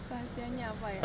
rahasianya apa ya